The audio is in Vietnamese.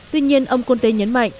tuy nhiên ông conte nhấn mạnh